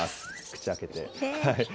口開けて。